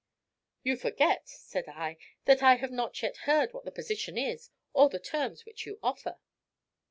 "You forget," said I, "that I have not yet heard what the position is, or the terms which you offer."